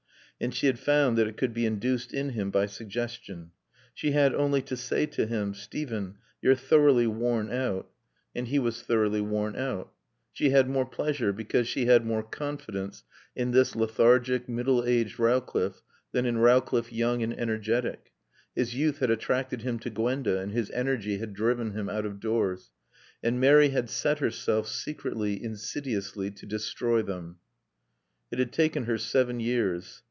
And she had found that it could be induced in him by suggestion. She had only to say to him, "Steven, you're thoroughly worn out," and he was thoroughly worn out. She had more pleasure, because she had more confidence, in this lethargic, middle aged Rowcliffe than in Rowcliffe young and energetic. His youth had attracted him to Gwenda and his energy had driven him out of doors. And Mary had set herself, secretly, insidiously, to destroy them. It had taken her seven years.